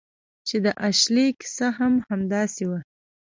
چې د اشلي کیسه هم همداسې وه